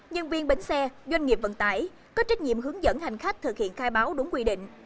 nhân viên bến xe doanh nghiệp vận tải có trách nhiệm hướng dẫn hành khách thực hiện khai báo đúng quy định